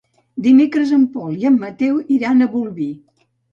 Dimecres en Pol i en Mateu iran a Bolvir.